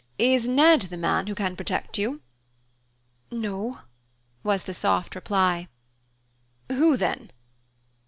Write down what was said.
Is Ned the man who can protect you?" "No" was the soft reply. "Who then?"